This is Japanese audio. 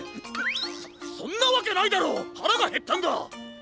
そそんなわけないだろ！はらがへったんだ！